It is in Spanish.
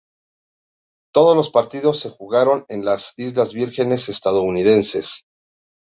Todos los partidos se jugaron en las Islas Vírgenes Estadounidenses.